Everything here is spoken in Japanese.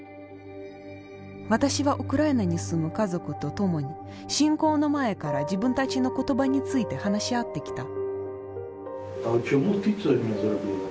私はウクライナに住む家族と共に侵攻の前から自分たちの言葉について話し合ってきた。